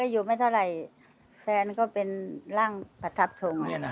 อยู่ไม่เท่าไหร่แฟนก็เป็นร่างประทับทง